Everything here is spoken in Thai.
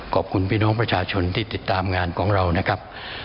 เป็นชื่อน้องประชาชนที่ติดตามงานของเรานะครับ